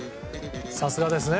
さすがですね。